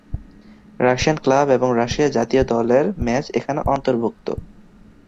Russian club এবং Russia জাতীয় দলের ম্যাচ এখানে অন্তর্ভুক্ত।